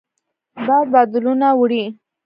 باد بادلونه وړي